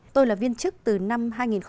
tôi là viên chức từ năm hai nghìn một mươi